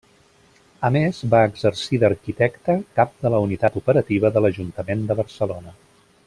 A més, va exercir d'arquitecte cap de la Unitat Operativa de l'Ajuntament de Barcelona.